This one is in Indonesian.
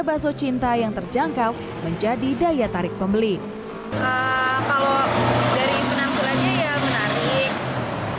bakso cinta yang terjangkau menjadi daya tarik pembeli kalau dari penampilannya ya menarik